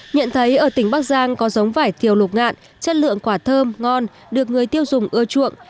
nhận thấy ở tỉnh bắc giang có giống vải thiều lục ngạn chất lượng quả thơm ngon được người tiêu dùng ưa chuộng